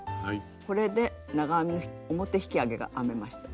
これで長編み表引き上げが編めました。